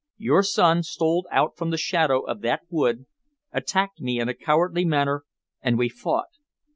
"Your son stole out from the shadow of that wood, attacked me in a cowardly manner, and we fought.